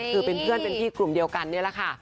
คือเป็นเพื่อนเป็นพี่กลุ่มเดียวกันนี่แหละค่ะ